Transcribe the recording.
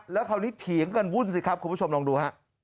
แล้วคราวนี้เถียงกันวุ่นสิครับคุณผู้ชมลองดูฮะ